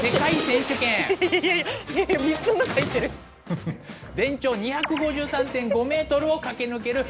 全長２５３．５ｍを駆け抜ける障害物競走だ。